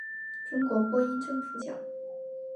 中国播音政府奖。